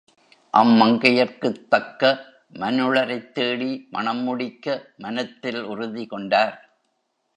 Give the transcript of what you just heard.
அம் மங்கையர்க்குத் தக்க மணுளரைத் தேடி, மணம்முடிக்க மனத்தில் உறுதிகொண்டார்.